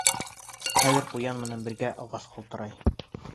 Хәҙер ҡуян менән бергә ағас ҡалтырай.